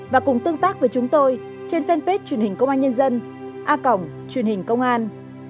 và cùng tương tác với chúng tôi trên fanpage truyền hình công an nhân dân a cổng truyền hình công an